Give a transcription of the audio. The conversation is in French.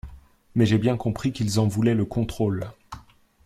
Mais j’ai bien compris qu’ils en voulaient le contrôle...